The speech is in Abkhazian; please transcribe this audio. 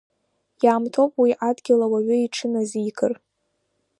Иаамҭоуп уи адгьыл ауаҩы иҽыназикыр.